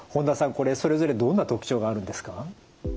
これそれぞれどんな特徴があるんですか？